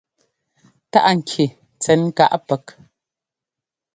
Táꞌ ŋki tsɛn káꞌ pɛk.